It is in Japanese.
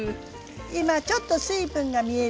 今ちょっと水分が見える？